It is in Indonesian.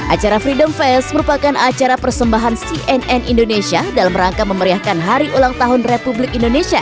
acara freedom fest merupakan acara persembahan cnn indonesia dalam rangka memeriahkan hari ulang tahun republik indonesia